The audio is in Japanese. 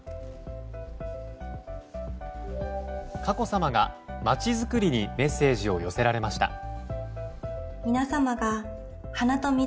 佳子さまが、まちづくりにメッセージを寄せられました。